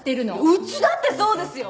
うちだってそうですよ！